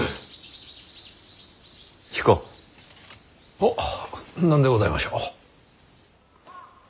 はっ何でございましょう。